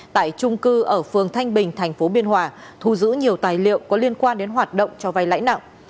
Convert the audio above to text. tại trung cư ở phường thanh bình tp biên hòa thu giữ nhiều tài liệu có liên quan đến hoạt động cho vay lãi nặng